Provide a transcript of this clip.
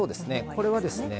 これはですね